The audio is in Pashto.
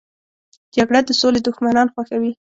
جګړه د سولې دښمنان خوښوي